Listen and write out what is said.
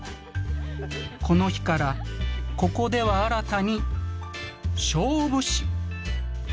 この日からここでは新たに「勝負師」と呼ばれている。